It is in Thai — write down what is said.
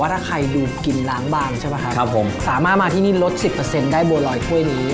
ถ้าใครดูกินล้างบางใช่ไหมครับผมสามารถมาที่นี่ลดสิบเปอร์เซ็นต์ได้บัวลอยถ้วยนี้